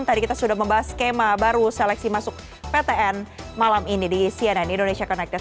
tadi kita sudah membahas skema baru seleksi masuk ptn malam ini di cnn indonesia connected